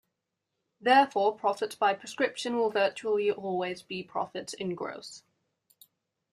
Therefore, profits by prescription will virtually always be profits in gross.